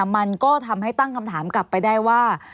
มันก็ทำให้ตั้งคำถามกลับไปได้ว่า